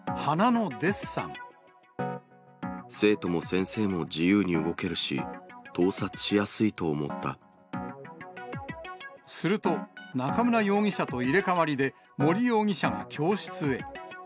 生徒も先生も自由に動けるし、すると、中村容疑者と入れ代わりで森容疑者が教室へ。